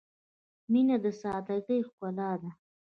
• مینه د سادګۍ ښکلا ده.